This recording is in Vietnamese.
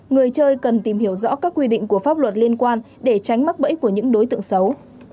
người chơi cần tìm hiểu rõ các quy định của pháp luật liên quan để tránh mắc bẫy của những đối tượng xấu